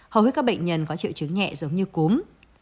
hầu hết các bệnh nhân có triệu chứng nhẹ giống như cúm